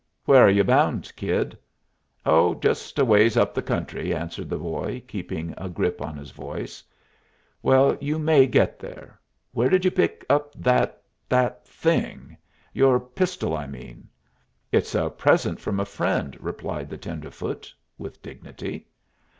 "Where are you bound, kid?" "Oh, just a ways up the country," answered the boy, keeping a grip on his voice. "Well, you may get there. Where did you pick up that that thing? Your pistol, I mean." "It's a present from a friend," replied the tenderfoot, with dignity.